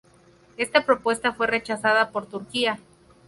Esta propuesta fue rechazada por Turquía.